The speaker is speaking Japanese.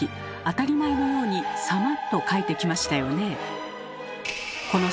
当たり前のように「様」と書いてきましたよね？